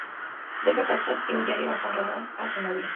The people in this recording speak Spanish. Deja cartas y un diario a Juan Ramón y a Zenobia.